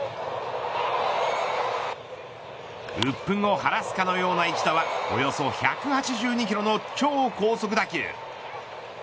鬱憤を晴らすかのような一打はおよそ１８２キロの超高速打球。